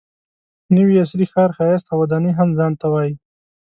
نوي عصري ښار ښایست او ودانۍ هم ځان ته وایي.